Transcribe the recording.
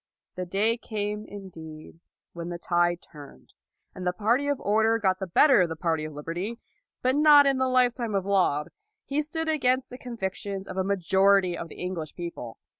The day came, indeed, when the tide turned, and the party of order got the better of the party of liberty, but not in the lifetime of Laud. He stood against the convictions of a majority of the Eng lish people.